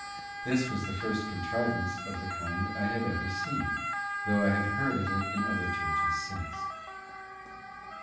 This was the first contrivance of the kind I had ever seen, though I have heard of it in other churches since.